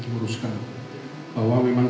menguruskan bahwa memang